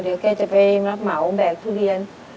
เดี๋ยวแกจะไปรับเหมาแบกทุเรียน